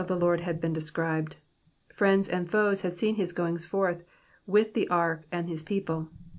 the Lord had bren described ; friends end foe^ had seen his froings forth with the ark and hi* people.